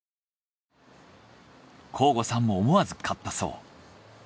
向後さんも思わず買ったそう。